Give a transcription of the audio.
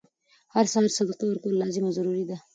هر سهار صدقه ورکول لازم او ضروري ده،